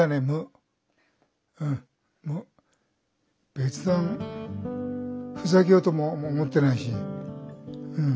別段ふざけようとも思ってないし。